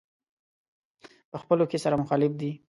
په خپلو کې سره مخالف دي.